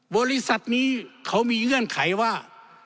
บริษัทนี้เขามีเงื่อนไขว่า